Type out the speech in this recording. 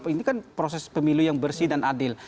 ini kan proses pemilu yang bersih dan adil